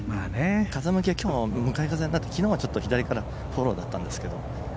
風向きは今日は向かい風で昨日は左からフォローだったんですが。